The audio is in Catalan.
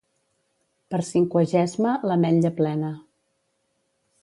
Per Cinquagesma, l'ametlla plena.